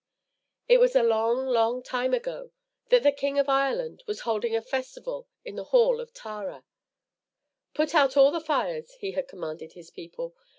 It was a long, long time ago that the King of Ireland was holding a festival in the Hall of Tara. "Put out all the fires," he had commanded his people.